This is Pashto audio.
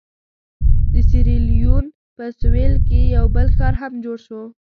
د سیریلیون په سوېل کې یو بل ښار هم جوړ شو.